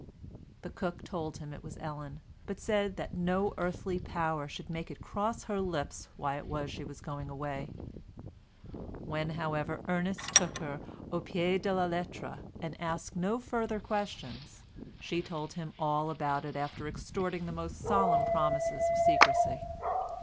The cook told him it was Ellen, but said that no earthly power should make it cross her lips why it was she was going away; when, however, Ernest took her au pied de la lettre and asked no further questions, she told him all about it after extorting the most solemn promises of secrecy.